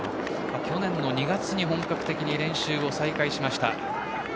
去年２月に本格的に練習を再開しました。